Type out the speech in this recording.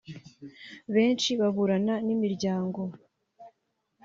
benshi baburana n’imiryango